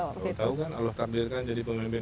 waktu itu kalau tahu kan allah takdirkan jadi pemimpin